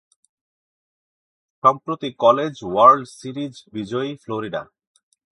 সম্প্রতি College World Series বিজয়ী Florida.